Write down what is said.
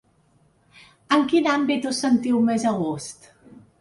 En quin àmbit us sentiu més a gust?